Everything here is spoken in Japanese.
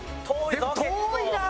遠いな！